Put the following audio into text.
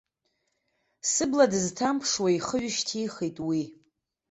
Сыбла дызҭамԥшуа ихы ҩышьҭихит уи.